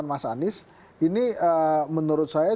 sejauh ini tadi sudah pojawi